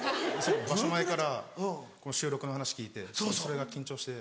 場所前からこの収録の話聞いてそれが緊張して。